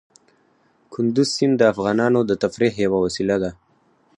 کندز سیند د افغانانو د تفریح یوه وسیله ده.